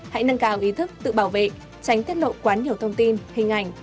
hãy nâng cao ý thức tự bảo vệ tránh tiết lộ quá nhiều thông tin hình ảnh